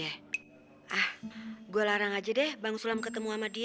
ah gue larang aja deh bang sulam ketemu sama dia